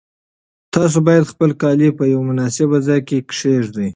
تاسو باید خپل کالي په یو مناسب ځای کې کېږدئ.